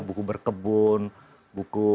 buku berkebun buku